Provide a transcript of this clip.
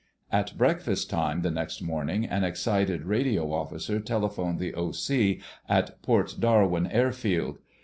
At breakfast time the next morning an excited radio officer telephoned the O.C. at Port Darwin airfield.